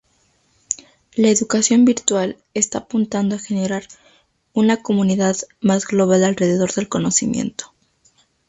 La educación virtual está apuntando a generar una comunidad más global alrededor del conocimiento.